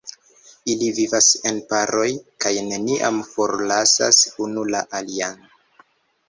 Ili vivas en paroj kaj neniam forlasas unu la alian.